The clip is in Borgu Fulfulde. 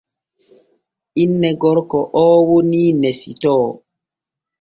Inne gorko oo woni Nesitoo.